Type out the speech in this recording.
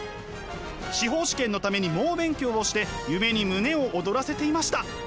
司法試験のために猛勉強をして夢に胸を躍らせていました。